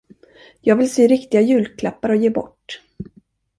Jag vill sy riktiga julklappar och ge bort.